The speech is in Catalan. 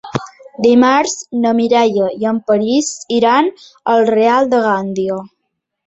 Dimarts na Mireia i en Peris iran al Real de Gandia.